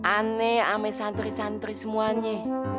aneh aneh santri santri semuanya